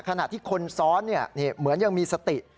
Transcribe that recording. ขณะที่คนซ้อนเหมือนยังมีสติ